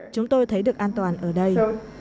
chúng tôi thấy được an toàn ở đây